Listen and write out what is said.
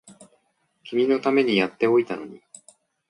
君のためにやっておいたのに